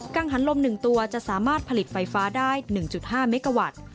ังหันลม๑ตัวจะสามารถผลิตไฟฟ้าได้๑๕เมกาวัตต์